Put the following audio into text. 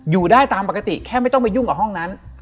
อยู่ได้ตามปกติแค่ไม่ต้องไปยุ่งกับห้องนั้น